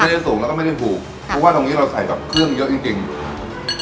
ไม่ได้สูงแล้วก็ไม่ได้ถูกเพราะว่าตรงนี้เราใส่แบบเครื่องเยอะจริงจริงครับ